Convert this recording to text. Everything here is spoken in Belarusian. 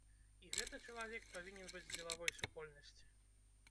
І гэты чалавек павінен быць з дзелавой супольнасці.